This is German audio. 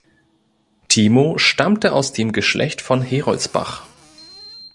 Timo stammte aus dem Geschlecht von Heroldsbach.